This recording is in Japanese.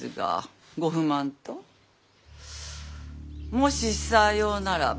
もしさようならば。